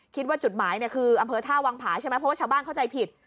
คิดว่าจุดหมายคืออำเภอท่าวังผาใช่ไหมเพราะว่าชาวบ้านเข้าใจผิด